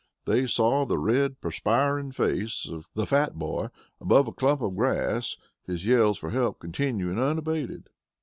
They saw the red, perspiring face of the fat boy above a clump of grass, his yells for help continuing, unabated.